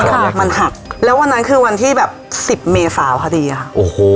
หักมันหักแล้ววันนั้นคือวันที่แบบสิบเมษาพอดีอ่ะโอ้โห